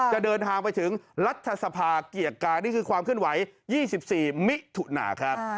จะเดินทางไปถึงรัฐสภาเกียรติกานี่คือความเคลื่อนไหว๒๔มิถุนาครับ